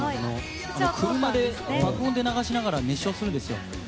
車で爆音で流しながら熱唱するんですよ。